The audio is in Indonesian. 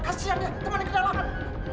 kasian ya temani kedalaman